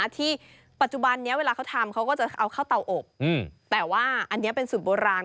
ที่ปัจจุบันนี้เวลาเขาทำเขาก็จะเอาข้าวเตาอบแต่ว่าอันนี้เป็นสูตรโบราณ